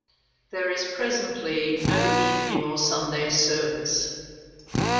There is presently no evening or Sunday service.